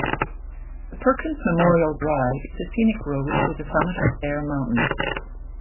The Perkins Memorial Drive is a scenic road to the summit of Bear Mountain.